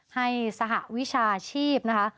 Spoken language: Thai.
ให้สหวิชาชีพ